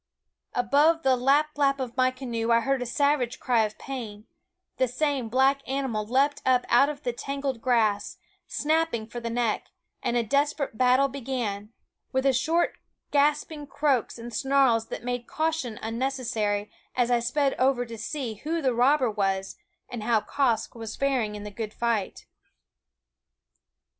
Above the lap lap of my canoe I heard a savage cry of pain ; the same black animal leaped up out of the tangled grass, snapping for the neck ; and a desperate battle began, with short gasping croaks and snarls that made caution unnecessary as I sped over to see who the robber was, and how Quoskh was faring in the good fight.